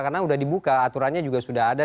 karena udah dibuka aturannya juga sudah ada